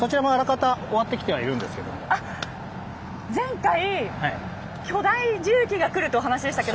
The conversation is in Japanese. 前回巨大重機が来るっていうお話でしたけど。